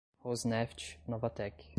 Rosneft, Novatek